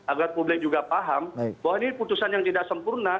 agar publik juga paham bahwa ini putusan yang tidak sempurna